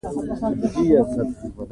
تالابونه د افغانانو ژوند اغېزمن کوي.